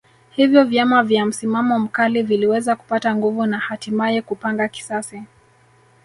Hivyo vyama vya msimamo mkali viliweza kupata nguvu na hatimaye kupanga kisasi